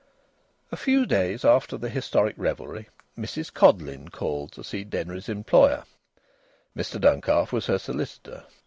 A few days after the historic revelry, Mrs Codleyn called to see Denry's employer. Mr Duncalf was her solicitor.